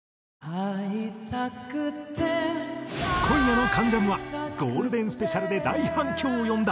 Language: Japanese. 「逢いたくて」今夜の『関ジャム』はゴールデンスペシャルで大反響を呼んだ